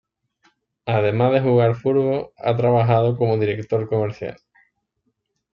Además de jugar al fútbol, ha trabajado como director comercial.